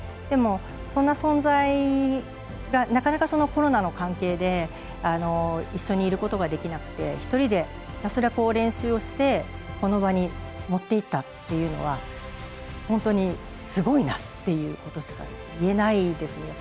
でも、そんな存在がなかなか、コロナの関係で一緒にいることができなくて一人で、ひたすら練習をしてこの場に持っていったというのは本当に、すごいなってことしか言えないですね。